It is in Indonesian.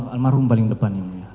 almarhum paling depan